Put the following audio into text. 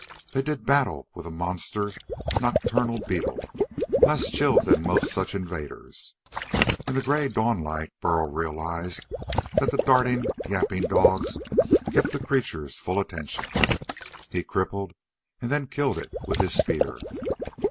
They did battle with a monster nocturnal beetle, less chilled than most such invaders. In the gray dawnlight Burl realized that the darting, yapping dogs kept the creature's full attention. He crippled, and then killed it with his spear.